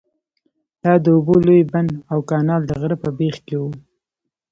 دا د اوبو لوی بند او کانال د غره په بیخ کې وو.